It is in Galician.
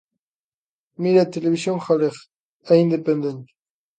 Mire, a Televisión Galega é independente.